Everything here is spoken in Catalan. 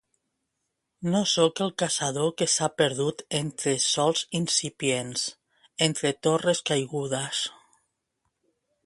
No sóc el caçador que s'ha perdut entre sols incipients, entre torres caigudes.